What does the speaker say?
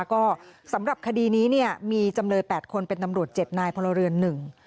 ก็สำหรับคดีนี้เนี่ยมีจำเลยแปดคนเป็นตำรวจเจ็ดนายพลเรือนหนึ่ง